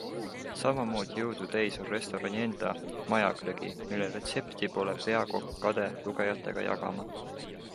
Samamoodi jõudu täis on restorani enda majaglögi, mille retsepti pole peakokk kade lugejatega jagama.